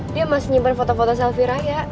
dia masih nyimpan foto foto selfie raya